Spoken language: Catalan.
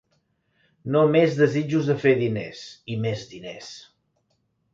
No més desitjos de fer diners, i més diners